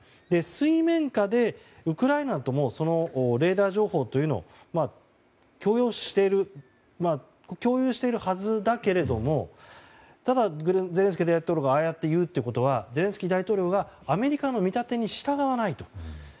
水面下で、ウクライナともそのレーダー情報を共有しているはずだけれどもただ、ゼレンスキー大統領がああやって言うのはゼレンスキー大統領がアメリカの見立てに従わないと。